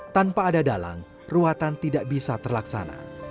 tanpa ada dalang ruatan tidak bisa terlaksana